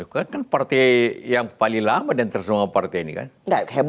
kan partai yang paling lama dan tersebut partai ini kan